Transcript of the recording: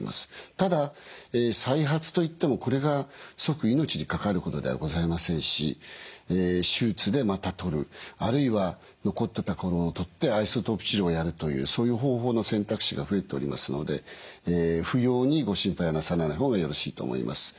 ただ再発といってもこれが即命に関わることではございませんし手術でまた取るあるいは残った所を取ってアイソトープ治療をやるというそういう方法の選択肢が増えておりますので不要にご心配はなさらない方がよろしいと思います。